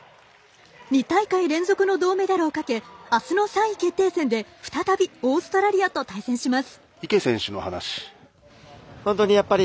２大会連続の銅メダルを懸けあすの３位決定戦で再びオーストラリアと対戦します。